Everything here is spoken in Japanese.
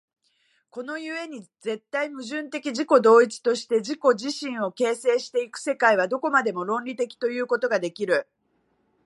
この故に絶対矛盾的自己同一として自己自身を形成し行く世界は、どこまでも論理的ということができる。